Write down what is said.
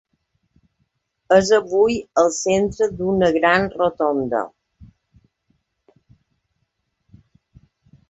És avui al centre d'una gran rotonda.